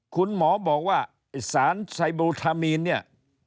คุณหมอบอกว่าไอ้สารไซบลูทามีนเนี่ย